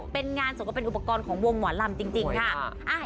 เป็นงานศพก็เป็นอุปกรณ์ของวงหมอลำจริงค่ะ